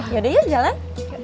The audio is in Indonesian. yaudah yuk jalan